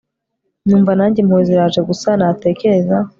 numva nanjye impuhwe ziraje gusa natekereza